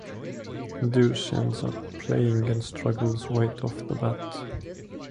Deuce ends up playing and struggles right off the bat.